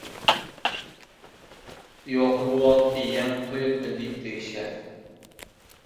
Ýogsa bu wagt eýýäm toý etmeli» diýip degişýäs.